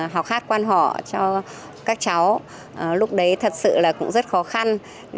học hát quan họ cho các cháu lúc đấy thật sự là cũng rất khó khăn